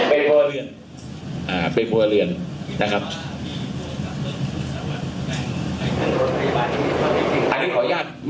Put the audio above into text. เป็นประวัติเรียนนะครับ